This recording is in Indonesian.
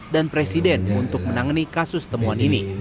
dan presiden untuk menangani kasus temuan ini